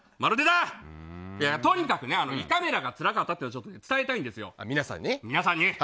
とにかく胃カメラがつらかったっての伝えたいんですよ。